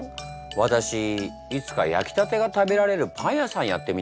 私いつか焼きたてが食べられるパン屋さんやってみたいの。